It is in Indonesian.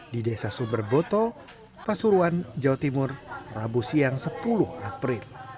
di desa sumberboto pasuruan jawa timur rabu siang sepuluh april